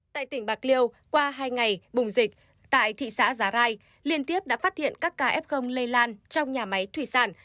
tại tỉnh bạc liêu qua hai ngày bùng dịch tại thị xã giá rai liên tiếp đã phát hiện các ca f lây lan trong nhà máy thủy sản